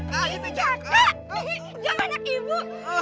cakak anak ibu